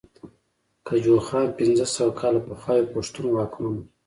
ګجوخان پنځه سوه کاله پخوا يو پښتون واکمن وو